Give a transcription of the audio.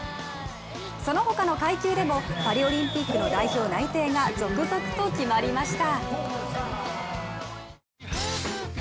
そのほかの階級でもパリオリンピックの代表内定が続々と決まりました。